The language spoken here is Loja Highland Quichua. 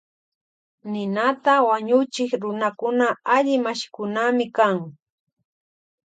Ninata wañuchik runakuna alli mashikunami kan.